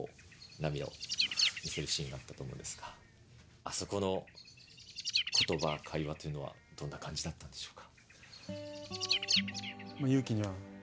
涙を見せるシーンがあったと思うんですがあそこの言葉会話というのはどんな感じだったんでしょうか？